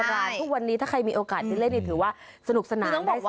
ใช่ทุกวันนี้ถ้าใครมีโอกาสจะเล่นอย่างงี้ถือว่าสนุกสนานได้สาหรับด้วย